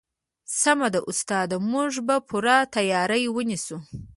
سمه ده استاده موږ به پوره تیاری ونیسو